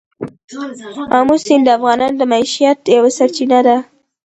آمو سیند د افغانانو د معیشت یوه سرچینه ده.